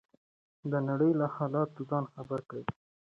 د نړۍ له حالاتو ځان خبر کړئ.